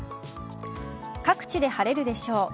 各地で晴れるでしょう。